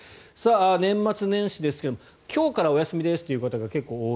年末年始ですが今日からお休みですという方が結構多い。